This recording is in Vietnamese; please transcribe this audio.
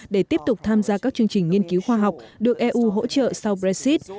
để tiếp tục tham gia các chương trình nghiên cứu khoa học được eu hỗ trợ sau brexit